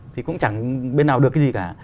thì cũng chẳng bên nào được cái gì cả